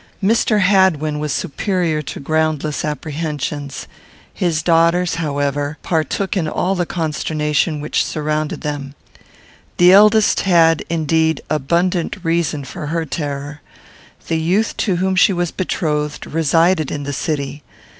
Mr. Hadwin was superior to groundless apprehensions. His daughters, however, partook in all the consternation which surrounded them. The eldest had, indeed, abundant reason for her terror. The youth to whom she was betrothed resided in the city.